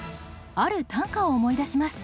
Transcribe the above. ある短歌を思い出します。